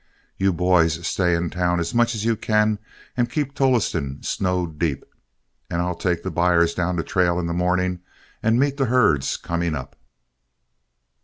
You boys stay in town as much as you can and keep Tolleston snowed deep, and I'll take the buyers down the trail in the morning and meet the herds coming up."